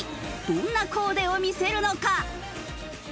どんなコーデを見せるのか？